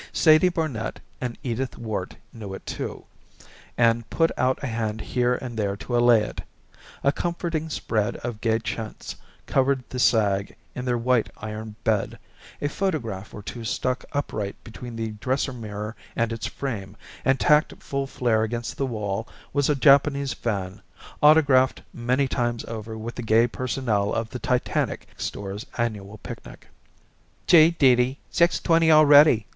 Sadie Barnet and Edith Worte knew it, too, and put out a hand here and there to allay it. A comforting spread of gay chintz covered the sag in their white iron bed; a photograph or two stuck upright between the dresser mirror and its frame, and tacked full flare against the wall was a Japanese fan, autographed many times over with the gay personnel of the Titanic Store's annual picnic. "Gee! Dee Dee, six twenty already!